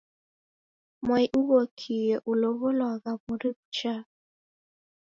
Mwai ughokie ulow'olwagha mori ghuchaa.